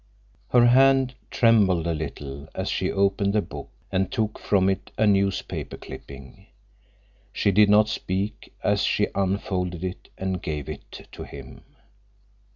Her hand trembled a little as she opened the book and took from it a newspaper clipping. She did not speak as she unfolded it and gave it to him.